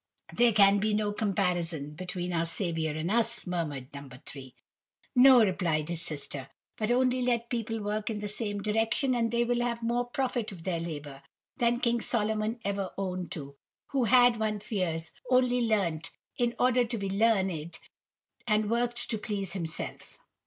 "There can be no comparison between our Saviour and us," murmured No. 3. "No," replied his sister; "but only let people work in the same direction, and they will have more 'profit' of their 'labour,' than King Solomon ever owned to, who had, one fears, only learnt, in order to be learned, and worked, to please himself.